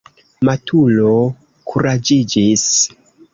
Maluto kuraĝiĝis.